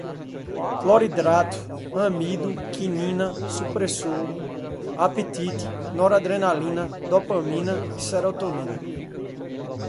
cloridrato, amido, quinina, supressor, apetite, noradrenalina, dopamina, serotonina